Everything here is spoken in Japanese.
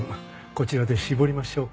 こちらで搾りましょうか？